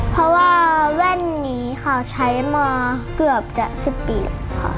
เพราะว่าแว่นนี้ค่ะใช้มาเกือบจะ๑๐ปีแล้วค่ะ